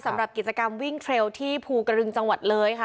สำหรับกิจกรรมวิ่งเทรลที่ภูกระดึงจังหวัดเลยค่ะ